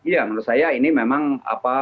ya menurut saya ini memang apa